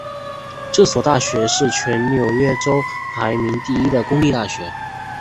这所大学是全纽约州排名第一的公立大学。